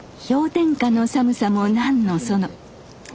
氷点下の寒さも何のその。